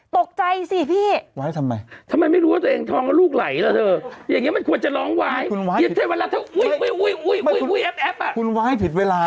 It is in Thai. ตกใจสิพี่ไหว้ทำไมทำไมไม่รู้ว่าตัวเองท้องแล้วลูกไหลแล้วเถอะ